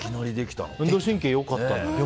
運動神経良かったんだね。